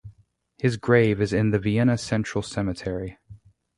His grave is in the Vienna Central Cemetery.